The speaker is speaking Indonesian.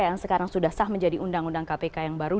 yang sekarang sudah sah menjadi undang undang kpk yang baru